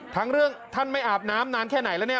ทั้งเรื่องท่านไม่อาบน้ำนานแค่ไหนแล้วเนี่ย